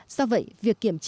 do vậy việc kiểm tra